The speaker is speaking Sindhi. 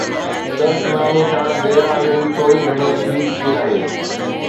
ڪرڪ نامي کان غير حاضري ٿوري گهڻي ٿي چڪي آهي